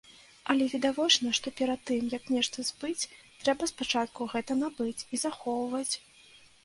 Але відавочна, што перад тым, як нешта збыць, трэба спачатку гэта набыць і захоўваць.